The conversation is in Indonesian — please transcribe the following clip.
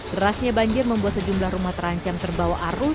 derasnya banjir membuat sejumlah rumah terancam terbawa arus